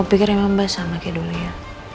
kau pikir emang basah lagi dulu ya